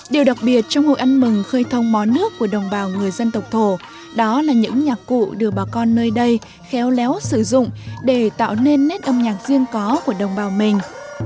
điều đặc biệt trong hội ăn mừng khơi thông mó nước của đồng bào người dân tộc thổ đó là những nhạc cụ được bà con nơi đây khéo léo sử dụng để tạo nên nét âm nhạc riêng có của đồng bào mình